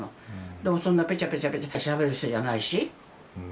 だからそんなぺちゃぺちゃしゃべる人じゃないし。